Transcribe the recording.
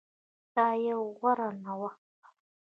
دا يو غوره نوښت ده